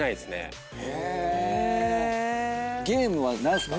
ゲームは何すか？